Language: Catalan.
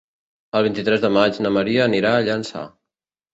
El vint-i-tres de maig na Maria anirà a Llançà.